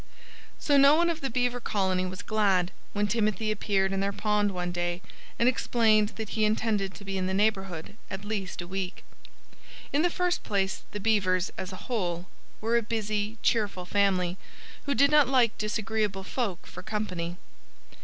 So no one of the Beaver colony was glad when Timothy appeared in their pond one day and explained that he intended to be in the neighborhood at least a week. In the first place, the Beavers, as a whole, were a busy, cheerful family, who did not like disagreeable folk for company.